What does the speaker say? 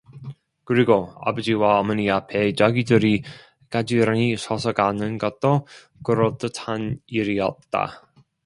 그리고 아버지와 어머니 앞에 자기들이 가지런히 서서 가는 것도 그럴듯한 일이었다.